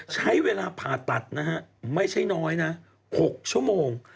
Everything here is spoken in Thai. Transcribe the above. ใช้เวลาผ่าตัดนะฮะไม่ใช่น้อยนะ๖ชั่วโมง